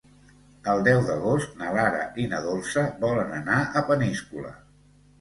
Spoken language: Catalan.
El deu d'agost na Lara i na Dolça volen anar a Peníscola.